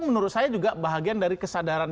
menurut saya juga bahagian dari kesadaran